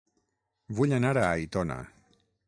Vull anar a Aitona